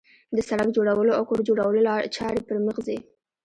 د سړک جوړولو او کور جوړولو چارې پرمخ ځي